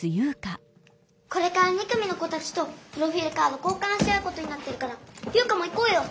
これから２組の子たちとプロフィールカード交かんし合うことになってるから優花も行こうよ！